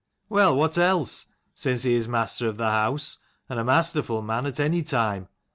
"Well, what else? since he is master of the house, and a masterful man at any time.